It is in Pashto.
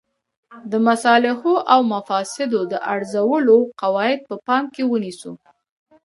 د مصالحو او مفاسدو د ارزولو قواعد په پام کې ونیسو.